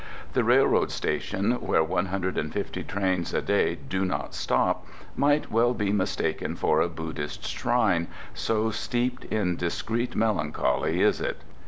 The railroad station, where one hundred and fifty trains a day do not stop, might well be mistaken for a Buddhist shrine, so steeped in discreet melancholy is it.